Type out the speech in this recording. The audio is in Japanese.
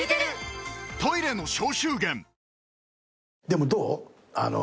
でもどう？